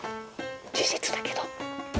事実だけど。